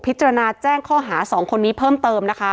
แจ้งข้อหา๒คนนี้เพิ่มเติมนะคะ